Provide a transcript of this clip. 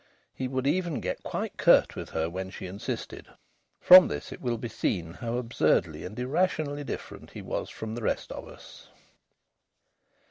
He would even get quite curt with her when she insisted. From this it will be seen how absurdly and irrationally different he was from the rest of us.